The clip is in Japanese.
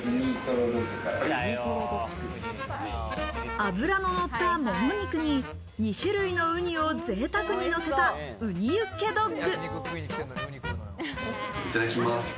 脂ののったもも肉に２種類のウニを贅沢にのせた、雲丹ユッケドッグ。